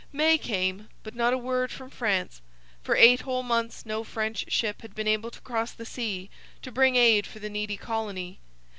May came; but not a word from France. For eight whole months no French ship had been able to cross the sea, to bring aid for the needy colony.